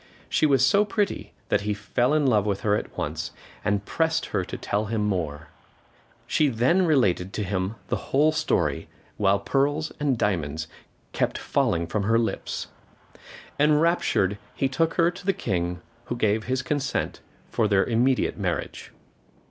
She was so pretty that he fell in love with her at once, and pressed her to tell him more. She then related to him the whole story, while pearls and diamonds kept falling from her lips. Enraptured, he took her to the King, who gave his consent to their immediate marriage.